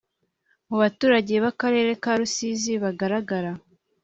mubaturage bakarere ka rusizi bagaragara